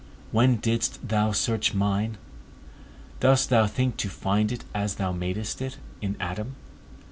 When didst thou search mine? Dost thou think to find it, as thou madest it, in Adam?